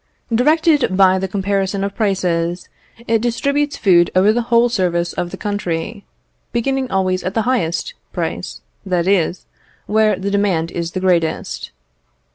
Directed by the comparison of prices, it distributes food over the whole surface of the country, beginning always at the highest, price, that is, where the demand is the greatest.